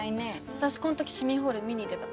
私こん時市民ホール見に行ってた。